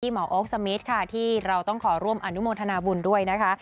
หมอโอ๊คสมิทค่ะที่เราต้องขอร่วมอนุโมทนาบุญด้วยนะคะ